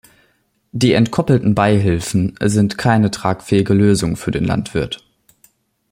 Die entkoppelten Beihilfen sind keine tragfähige Lösung für den Landwirt.